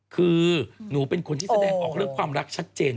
คือหนูเป็นคนที่แสดงออกเรื่องความรักชัดเจน